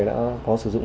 đã có sử dụng